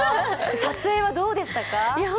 撮影はどうでしたか？